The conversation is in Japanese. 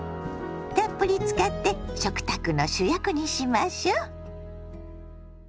たっぷり使って食卓の主役にしましょ。